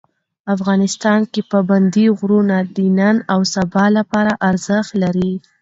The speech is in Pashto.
افغانستان کې پابندي غرونه د نن او سبا لپاره ارزښت لري.